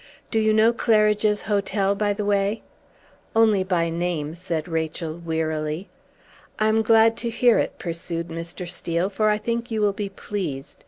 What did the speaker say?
Do you know Claridge's Hotel, by the way?" "Only by name," said Rachel, wearily. "I'm glad to hear it," pursued Mr. Steel, "for I think you will be pleased.